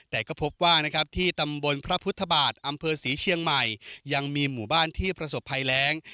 แต่ก็พบว่านะครับที่ตำบลพระพุทธบาทอำเภอศรีเชียงใหม่ยังมีหมู่บ้านที่ประสบภัยแรง